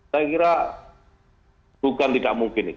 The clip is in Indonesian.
saya kira bukan tidak mungkin